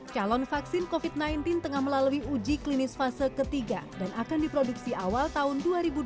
calon vaksin covid sembilan belas tengah melalui uji klinis fase ketiga dan akan diproduksi awal tahun dua ribu dua puluh